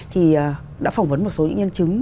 thì đã phỏng vấn một số những nhân chứng